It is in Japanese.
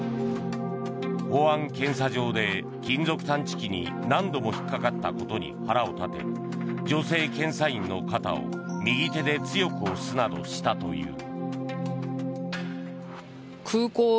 保安検査場で金属探知機に何度も引っかかったことに腹を立て女性検査員の肩を右手で強く押すなどしたという。